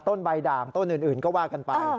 ใบด่างต้นอื่นก็ว่ากันไป